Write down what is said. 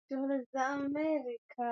na fursa zitakazoletwa na kujiunga huko